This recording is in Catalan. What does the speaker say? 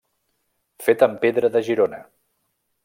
Fet en pedra de Girona.